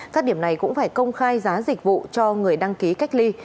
các điểm này cũng phải công khai giá dịch vụ cho người đăng ký cách ly